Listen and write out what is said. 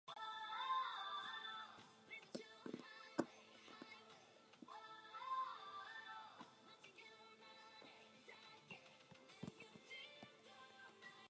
The prostitute Liva, who is running away from harassing telephone calls, takes the job.